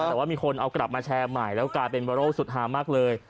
แต่ว่ามีคนเอากลับมาแชร์ใหม่แล้วกลายเป็นไวรัลสุดฮามากเลย